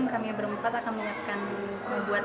kami berempat akan membuat